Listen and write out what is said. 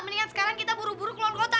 mendingan sekarang kita buru buru keluar kota